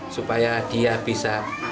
supaya dia bisa